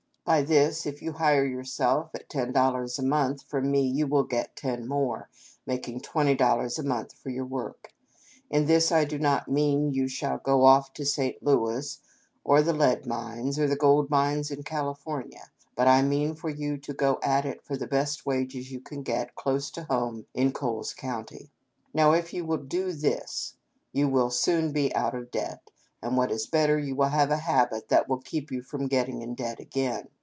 By this, if you hire yourself at ten dollars a month, from me you will get ten more, making twenty dollars a month for your work. In this I do not mean you shall go off to St. Louis, or the lead mines, or the gold mines in California, but I mean for you to go at it for the best wages you can get close to home in Coles County. Now if you will do this, you will be soon out of debt, and, what is better, you will have a habit that will keep you from getting in debt again.